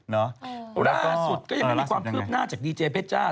แล้วก็แล้วล่าสุดก็ยังไม่มีความคืบหน้าจากดีเจเพชร